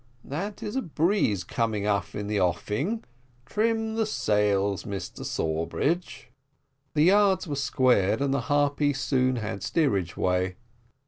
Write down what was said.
That is a breeze coming up in the offing. Trim the sails, Mr Sawbridge." The yards were squared, and the Harpy soon had steerage way.